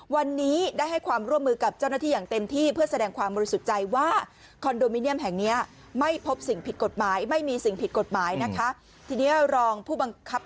วันนี้ได้ให้ความร่วมมือกับเจ้าหน้าที่อย่างเต็มที่เพื่อแสดงความบริสุทธิ์ใจว่าคอนโดมิเนียมแห่งเนี้ยไม่พบสิ่งผิดกฎหมายไม่มีสิ่งผิดกฎหมายนะคะทีนี้รองผู้บังคับ